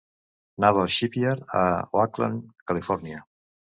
Naval Shipyard a Oakland, Califòrnia.